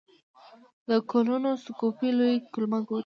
د کولونوسکوپي لوی کولمه ګوري.